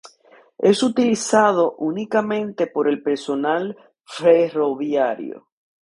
Es utilizado únicamente por el personal ferroviario.